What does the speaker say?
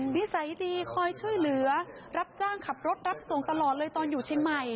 นิสัยดีคอยช่วยเหลือรับจ้างขับรถรับส่งตลอดเลยตอนอยู่เชียงใหม่